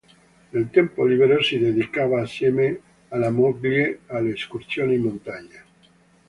Nel tempo libero si dedicava assieme alla moglie alle escursioni in montagna.